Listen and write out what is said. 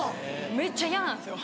めちゃ嫌なんですよ。